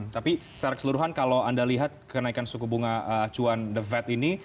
tapi secara keseluruhan kalau anda lihat kenaikan suku bunga acuan the fed ini